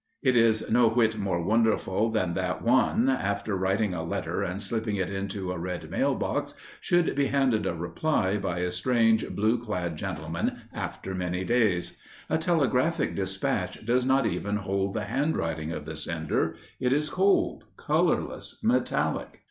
It is no whit more wonderful than that one, after writing a letter and slipping it into a red mail box, should be handed a reply by a strange, blue clad gentleman, after many days. A telegraphic despatch does not even hold the handwriting of the sender; it is cold, colourless, metallic.